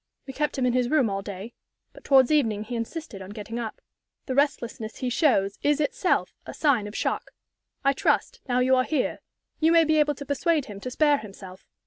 We kept him in his room all day. But towards evening he insisted on getting up. The restlessness he shows is itself a sign of shock. I trust, now you are here, you may be able to persuade him to spare himself.